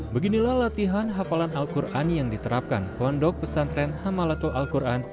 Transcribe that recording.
beginilah latihan hafalan al quran yang diterapkan pondok pesantren hamalatul al quran